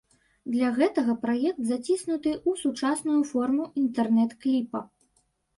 Для гэтага праект заціснуты ў сучасную форму інтэрнэт-кліпа.